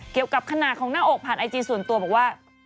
เกี่ยวกับขนาดของหน้าอกผ่านไอจีส่วนตัวบอกว่า